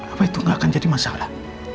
apa itu nggak akan jadi masalah